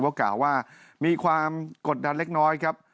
ก็กล่าวว่ามีความกดดันเล็กน้อยครับ